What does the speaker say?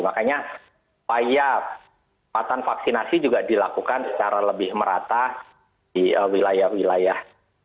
makanya upaya vaksinasi juga dilakukan secara lebih merata di wilayah wilayah